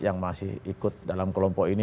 yang masih ikut dalam kelompok ini